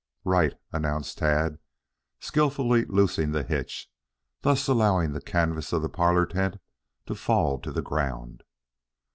"Right," announced Tad, skillfully loosening the hitch, thus allowing the canvas of the parlor tent to fall to the ground.